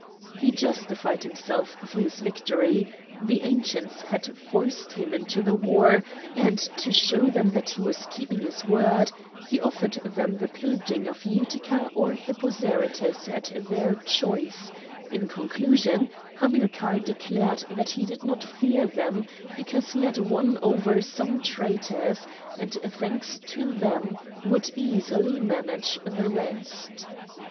He justified himself for his victory: the Ancients had forced him into the war, and to show them that he was keeping his word, he offered them the pillaging of Utica or Hippo Zarytus at their choice; in conclusion, Hamilcar declared that he did not fear them because he had won over some traitors, and thanks to them would easily manage the rest.